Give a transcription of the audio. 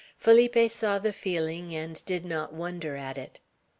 Felipe saw the feeling, and did not wonder at it.